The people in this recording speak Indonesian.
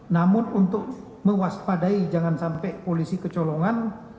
namun untuk mewaspadai jangan sampai polisi kecolongan